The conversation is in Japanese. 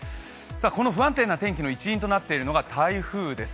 この不安定な天気の一因となっているのが台風です。